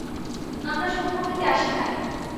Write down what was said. আমরা শূন্য হইতে আসি নাই।